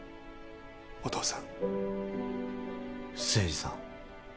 お父さん清二さん